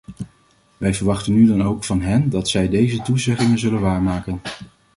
Wij verwachten nu dan ook van hen dat zij deze toezeggingen zullen waarmaken.